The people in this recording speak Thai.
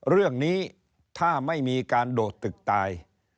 เรื่องนี้ถ้าไม่มีการโดดตึกตาย